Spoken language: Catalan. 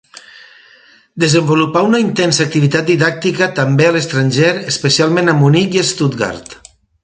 Desenvolupà una intensa activitat didàctica, també a l'estranger, especialment a Munic i Stuttgart.